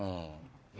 え？